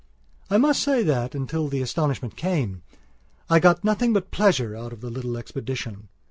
I must say that, until the astonishment came, I got nothing but pleasure out of the little expedition.